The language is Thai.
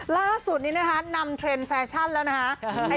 ล่าสุดนี้นะคะนำเทรนด์แฟชั่นแล้วนะฮะ